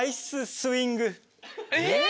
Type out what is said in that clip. えっ！